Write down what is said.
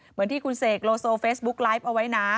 เหมือนที่คุณเสกโลโซเฟซบุ๊กไลฟ์เอาไว้นะ